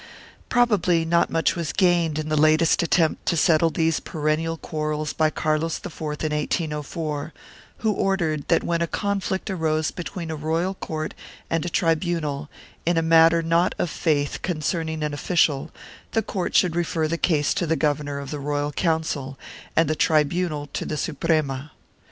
3 Probably not much was gained in the latest attempt to settle these perennial quarrels by Carlos IV in 1804, who ordered that when a conflict arose between a royal court and a tribunal, in a matter not of faith concerning an official, the court should refer the case to the governor of the Royal Council and the tribunal to the Suprema.